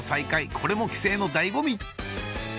これも帰省の醍醐味